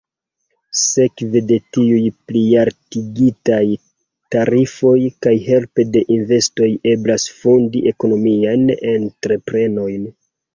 Sekve de tiuj plialtigitaj tarifoj kaj helpe de investoj eblas fondi ekonomiajn entreprenojn.